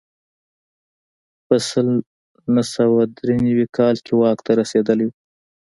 په سل نه سوه درې نوي کال کې واک ته رسېدلی و.